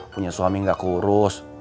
punya suami nggak keurus